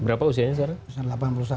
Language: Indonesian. berapa usianya ustadz